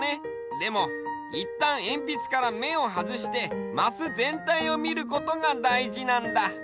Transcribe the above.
でもいったんえんぴつからめをはずしてマスぜんたいをみることがだいじなんだ。